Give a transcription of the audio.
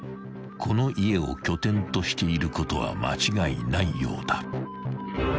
［この家を拠点としていることは間違いないようだ］